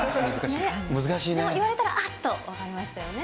言われたら、あっと分かりましたよね。